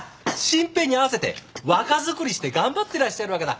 真平に合わせて若作りして頑張ってらっしゃるわけだ。